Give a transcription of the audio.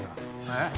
えっ？